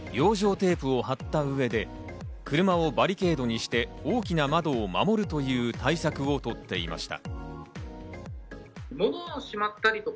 テープを貼った上で、車をバリケードにして大きな窓を守るという対策を取っていました。